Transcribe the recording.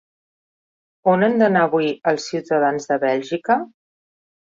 On han d'anar avui els ciutadans de Bèlgica?